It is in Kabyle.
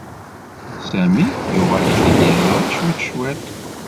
Sami yuɣal-it-id yiẓri cwiṭ, cwiṭ.